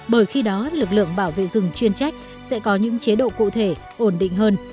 bởi khi đó lực lượng bảo vệ rừng chuyên trách sẽ có những chế độ cụ thể ổn định hơn